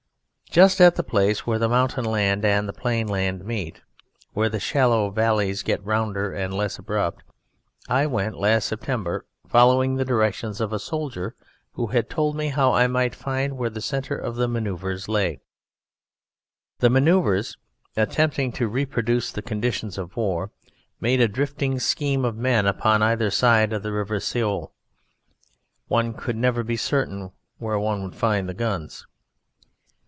Just at the place where the mountain land and the plain land meet, where the shallow valleys get rounder and less abrupt, I went last September, following the directions of a soldier who had told me how I might find where the centre of the manoeuvres lay. The manoeuvres, attempting to reproduce the conditions of war, made a drifting scheme of men upon either side of the River Sioule. One could never be certain where one would find the guns.